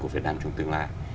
của việt nam trong tương lai